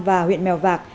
và huyện mèo vạc